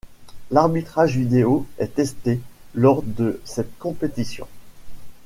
L’arbitrage vidéo est testé lors de cette compétition.